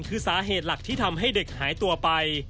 คือสาเหตุหลักที่ทำให้เด็กหายตัวไป